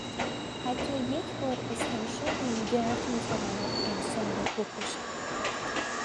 حتی یک بار استنشاق این گرد میتواند انسان را بکشد.